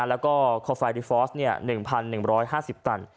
แล้วก็โคไฟดิฟอร์ส๑๑๕๐ตัน